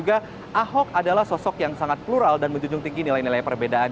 ahok adalah sosok yang sangat plural dan menjunjung tinggi nilai nilai perbedaan